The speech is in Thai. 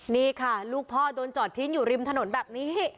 นี่ค่ะลูกพ่อโดนจอดทิ้งอยู่ริมถนนแบบนี้